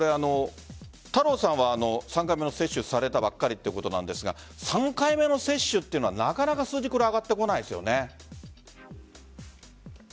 太郎さんは３回目の接種されたばかりということなんですが３回目の接種というのはなかなか数字が上がってこないですよね。